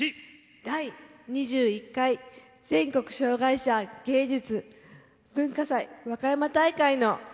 「第２１回全国障害者芸術・文化祭わかやま大会」の。